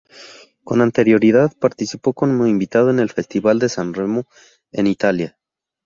Con anterioridad, participó como invitado en el Festival de San Remo, en Italia.